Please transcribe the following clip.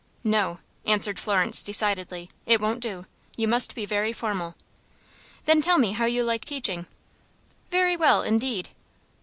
"No," answered Florence, decidedly. "It won't do. You must be very formal." "Then tell me how you like teaching." "Very well, indeed."